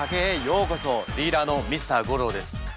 ディーラーのＭｒ．ゴローです。